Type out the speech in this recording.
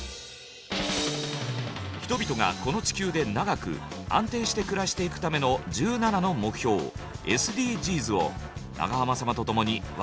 人々がこの地球で長く安定して暮らしていくための１７の目標ＳＤＧｓを長濱様とともに笑って学んでいきましょう。